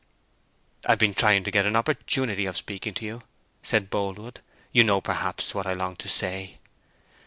"I've been trying to get an opportunity of speaking to you," said Boldwood. "You know perhaps what I long to say?"